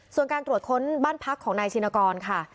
ส่วนการตรวจค้นบ้านพักของนายชินกรค่ะ